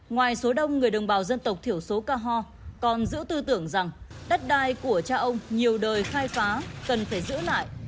ngoài số đông người đồng bào dân tộc thiểu số ca ho còn giữ tư tưởng rằng đất đai của cha ông nhiều đời khai phá cần phải giữ lại